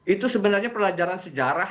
itu sebenarnya pelajaran sejarah